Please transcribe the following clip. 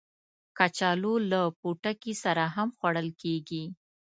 کچالو له پوټکي سره هم خوړل کېږي